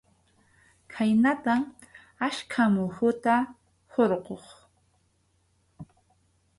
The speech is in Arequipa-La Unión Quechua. Khaynatam achka muhuta hurquq.